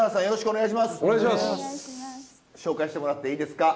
よろしくお願いします。